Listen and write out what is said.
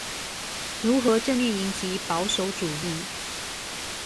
如何正面迎擊保守主義